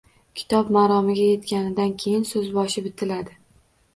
Kitob maromiga yetganidan keyin so‘zboshi bitiladi.